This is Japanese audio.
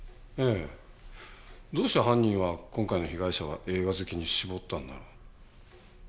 ええ。どうして犯人は今回の被害者は映画好きに絞ったんだろう？